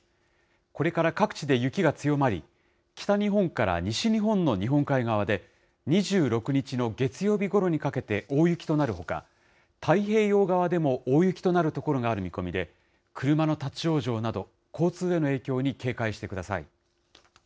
これから各地で雪が強まり、北日本から西日本の日本海側で、２６日の月曜日ごろにかけて、大雪となるほか、太平洋側でも大雪となる所がある見込みで、車の立往生など、交通への影響に警戒してください。